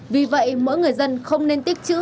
vì vậy mỗi người dân không nên tích chữ